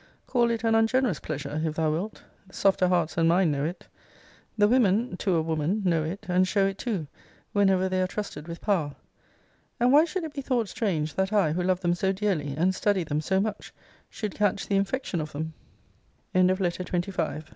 Call it an ungenerous pleasure, if thou wilt: softer hearts than mine know it. The women, to a woman, know it, and show it too, whenever they are trusted with power. And why should it be thought strange, that I, who love them so dearly, and study them so much, should catch the infection of them? * See Letter XX. of this volume.